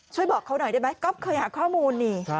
บอกเขาหน่อยได้ไหมก๊อฟเคยหาข้อมูลนี่